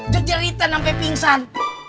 jerit jeritan sampe pingsan